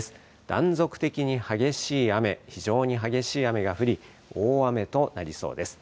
断続的に激しい雨、非常に激しい雨が降り、大雨となりそうです。